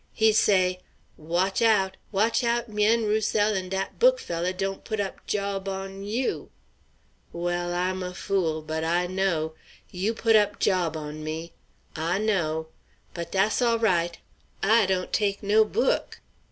He say, 'Watch out, watch out, 'Mian Roussel and dat book fellah dawn't put op jawb on you.' Well, I'm a fool, but I know. You put op jawb on me; I know. But dass all right _I don't take no book.